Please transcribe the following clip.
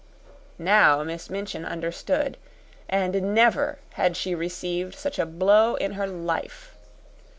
Now Miss Minchin understood, and never had she received such a blow in her life.